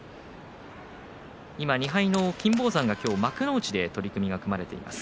今、２敗の金峰山が幕内で取組が組まれています。